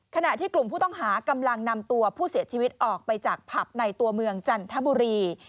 ขณะที่กลุ่มผู้ต้องหากำลังนำตัวผู้เสียชีวิตออกไปจากผับในตัวเมืองจันทบุรี